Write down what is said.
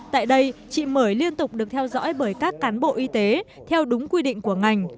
tại đây chị mởi liên tục được theo dõi bởi các cán bộ y tế theo đúng quy định của ngành